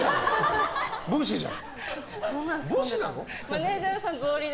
武士じゃん！